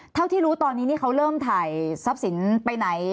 เท่าที่รู้ตอนนี้นี่เขาเริ่มถ่ายทรัพย์สินไปไหน